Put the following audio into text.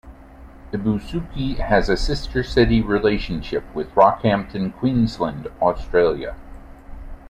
Ibusuki has a sister city relationship with Rockhampton, Queensland, Australia.